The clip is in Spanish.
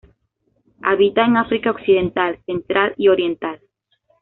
Habita en África Occidental, Central y Oriental.